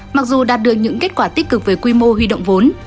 mặc dù đạt được những kết quả tích cực về quy mô huy động vốn